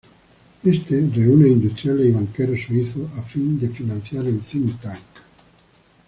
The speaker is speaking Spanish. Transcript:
Éste reúne a industriales y banqueros suizos a fin de financiar el "think tank".